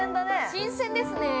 ◆新鮮ですね。